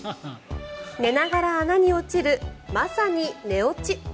寝ながら穴に落ちるまさに寝落ち。